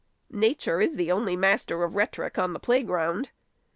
Nature is the only master of rhetoric on the play ground.